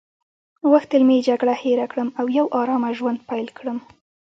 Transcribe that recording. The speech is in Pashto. غوښتل مې جګړه هیره کړم او یو آرامه ژوند پیل کړم.